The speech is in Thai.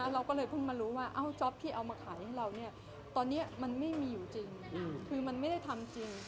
เราก็เลยเพิ่งมารู้ว่าจ๊อปที่เอามาขายให้เราเนี่ยตอนนี้มันไม่มีอยู่จริงคือมันไม่ได้ทำจริง